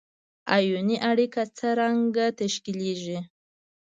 آیوني اړیکه څرنګه تشکیلیږي؟